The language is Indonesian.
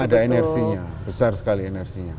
ada inersinya besar sekali inersinya